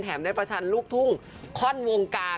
ได้ประชันลูกทุ่งค่อนวงการ